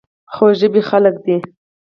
خوږ ژبې خلک دي .